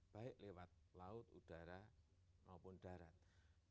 baik lewat laut udara maupun darat